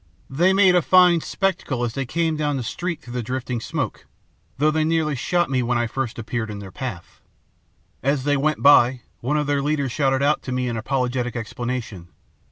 They made a fine spectacle as they came down the street through the drifting smoke, though they nearly shot me when I first appeared in their path. As they went by, one of their leaders shouted out to me in apologetic explanation.